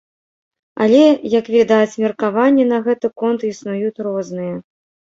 Але, як відаць, меркаванні на гэты конт існуюць розныя.